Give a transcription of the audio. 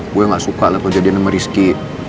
gue gak suka lah kejadian sama rizky